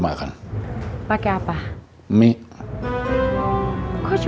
udah bakal makan kemari fashionable udah tuhan daun